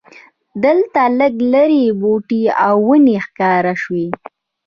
دلته لږ لرې بوټي او ونې ښکاره شوې.